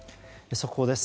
速報です。